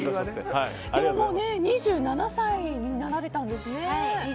もう２７歳になられたんですね。